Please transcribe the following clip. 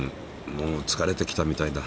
もうつかれてきたみたいだ。